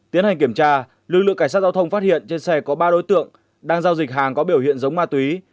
tiến hành kiểm tra lực lượng cảnh sát giao thông phát hiện trên xe có ba đối tượng đang giao dịch hàng có biểu hiện giống ma túy